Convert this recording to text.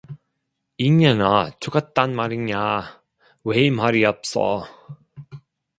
이년아, 죽었단 말이냐, 왜 말이 없어.